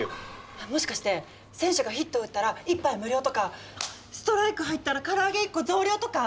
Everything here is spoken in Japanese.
えっもしかして選手がヒットを打ったら１杯無料とかストライク入ったら唐揚げ１個増量とか！